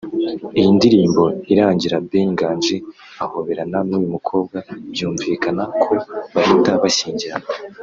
iyi ndirimbo irangira Ben Nganji ahoberana n’uyu mukobwa byumvikana ko bahita bashyingiranwa